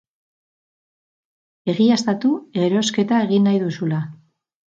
Egiaztatu erosketa egin nahi duzula.